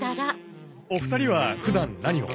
お二人は普段何を？